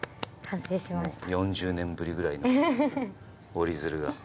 ４０年ぶりくらいに折り鶴が。